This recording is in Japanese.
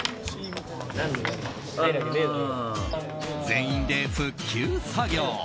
全員で復旧作業。